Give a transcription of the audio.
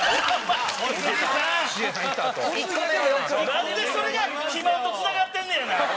なんでそれが肥満とつながってんねやねんアホ！